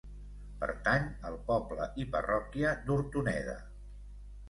Pertany al poble i parròquia d'Hortoneda.